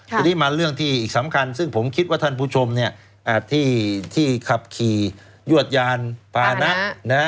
ทีนี้มาเรื่องที่อีกสำคัญซึ่งผมคิดว่าท่านผู้ชมเนี่ยที่ขับขี่ยวดยานพานะ